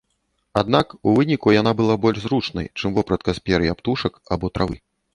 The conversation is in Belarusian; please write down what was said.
Аднак у выніку яна была больш зручнай, чым вопратка з пер'я птушак або травы.